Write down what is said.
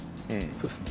そうですね